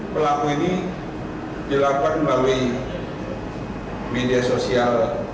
pelaku ini dilakukan melalui media sosial